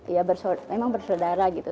yang memang bersaudara gitu